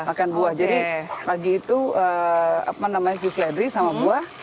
makan buah jadi pagi itu apa namanya jus ledri sama buah